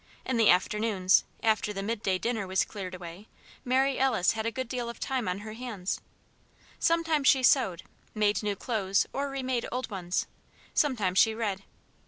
In the afternoons, after the midday dinner was cleared away, Mary Alice had a good deal of time on her hands. Sometimes she sewed made new clothes or remade old ones; sometimes she read.